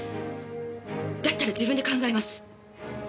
だったら自分で考えます。